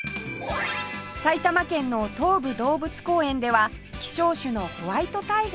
埼玉県の東武動物公園では希少種のホワイトタイガー登場